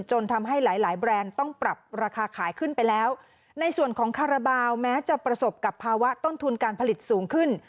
จนทำให้หลายหลายแบรนด์ต้องปรับราคาขายขึ้นไปแล้วในส่วนของคาราบาลแม้จะประสบกับภาวะต้นทุนการผลิตสูงขึ้น